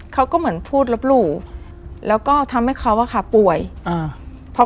เขาก็เหมือนพูดลบหลู่แล้วก็ทำให้เขาอ่ะค่ะป่วยอ่าพอ